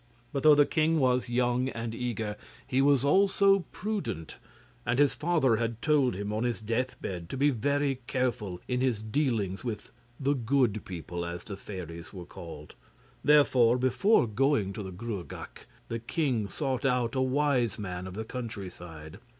But though the king was young and eager, he was also prudent, and his father had told him on his deathbed to be very careful in his dealings with the 'good people,' as the fairies were called. Therefore before going to the Gruagach the king sought out a wise man of the countryside.